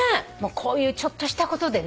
こういうちょっとしたことで。